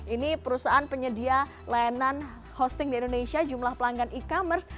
ini perusahaan penyedia layanan hosting di indonesia jumlah pelanggan e commerce